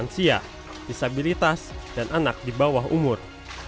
lansia disabilitas dan anak di bawah umur